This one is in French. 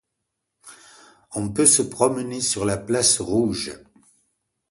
On peut se promener sur la place Rouge.